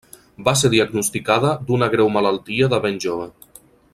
Va ser diagnosticada d’una greu malaltia de ben jove.